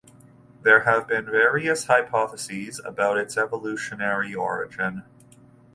There have been various hypotheses about its evolutionary origin.